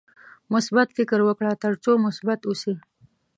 مثبت فکر وکړه ترڅو مثبت اوسې.